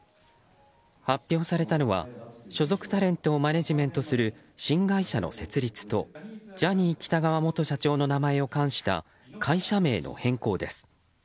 発表されたのは所属タレントをマネジメントする新会社の設立とジャニー喜多川元社長の名前を冠した会社名の変更です。